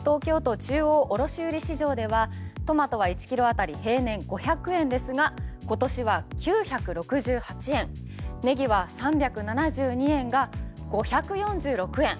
東京都中央卸売市場ではトマトは１ｋｇ当たり平年５００円ですが今年は９６８円ネギは３７２円が５４６円